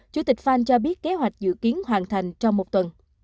chủ tịch farn cho biết kế hoạch dự kiến hoàn thành trong một tuần